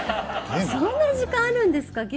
そんなに時間あるんですか？